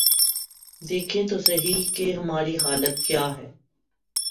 دیکھیں تو سہی کہ ہماری حالت کیا ہے۔